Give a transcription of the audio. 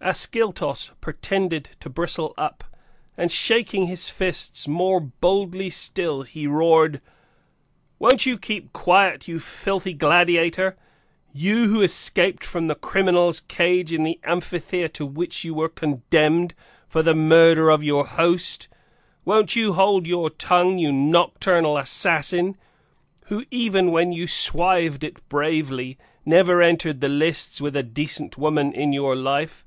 Ascyltos pretended to bristle up and, shaking his fists more boldly still, he roared: "Won't you keep quiet, you filthy gladiator, you who escaped from the criminal's cage in the amphitheatre to which you were condemned (for the murder of your host?) Won't you hold your tongue, you nocturnal assassin, who, even when you swived it bravely, never entered the lists with a decent woman in your life?